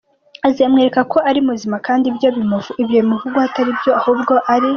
azamwereke ko ari muzima kandi nibyo bimuvugwaho Atari byo ahubwo ari.